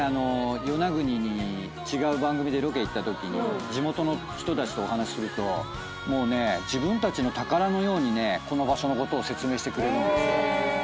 与那国に違う番組でロケ行ったときに地元の人たちとお話しするともうね自分たちの宝のようにこの場所のことを説明してくれるんですよ。